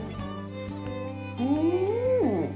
うん！